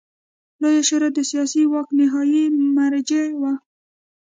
لویه شورا د سیاسي واک نهايي مرجع وه.